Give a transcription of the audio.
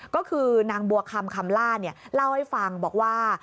ก็คือนางบัวคำคำล่าเล่าให้ฟังบอกว่า